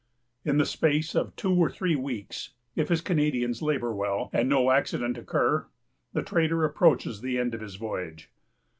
In the space of two or three weeks, if his Canadians labor well, and no accident occur, the trader approaches the end of his voyage.